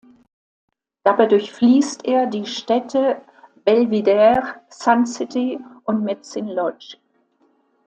Dabei durchfließt er die Städte Belvidere, Sun City und Medicine Lodge.